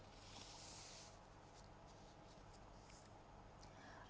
đồn biên phòng